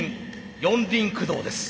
四輪駆動です。